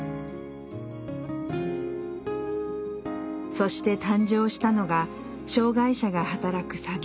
そして誕生したのが障害者が働く作業所